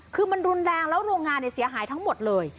คือมันรุนแรงแล้วโรงงานเสียหายทั้งหมดเลย